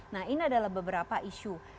nah ini adalah beberapa isu